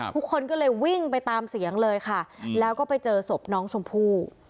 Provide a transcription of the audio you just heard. ทุกคนก็เลยวิ่งไปตามเสียงเลยค่ะแล้วก็ไปเจอศพน้องชมพู่